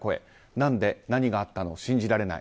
何で何があったの、信じられない。